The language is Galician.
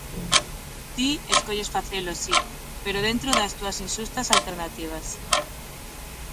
Ti escolles facelo, si, pero dentro das túas inxustas alternativas.